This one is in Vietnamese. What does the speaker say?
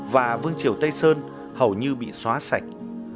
và vương triều tây sơn hầu như bị xóa sạch